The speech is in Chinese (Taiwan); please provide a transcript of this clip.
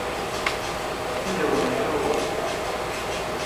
四維路